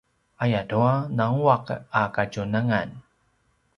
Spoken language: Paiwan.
ayatua nanguaq a kadjunangan